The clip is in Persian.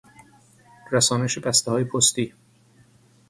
رسانش بستههای پستی